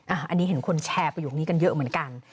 อันนี้เห็นคุณแชร์ไปอยู่กันเยอะเหมือนกัน